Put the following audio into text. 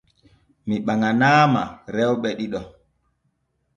Mi ɓaŋanaama rewɓe ɗiɗo.